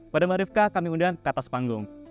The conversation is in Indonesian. pada marifkah kami undang ke atas panggung